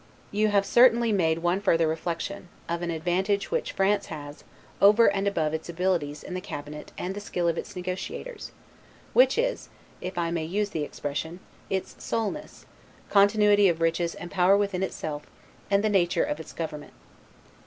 You have certainly made one further reflection, of an advantage which France has, over and above its abilities in the cabinet and the skill of its negotiators, which is (if I may use the expression) its SOLENESS, continuity of riches and power within itself, and the nature of its government.